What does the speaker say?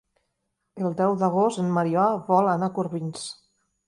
El deu d'agost en Maria vol anar a Corbins.